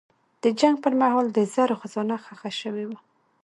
د جنګ پر مهال د زرو خزانه ښخه شوې وه.